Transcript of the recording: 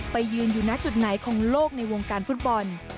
ยืนอยู่หน้าจุดไหนของโลกในวงการฟุตบอล